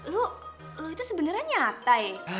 lo lo itu sebenernya nyata ya